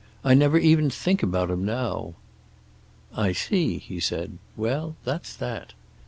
I never even think about him, now." "I see," he said. "Well, that's that."